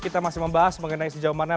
kita masih membahas mengenai sejauh mana